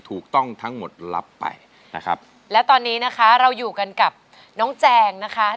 ถูกต้องทั้งหมดรับไปนะครับและตอนนี้นะคะเราอยู่กันกับน้องแจงนะคะ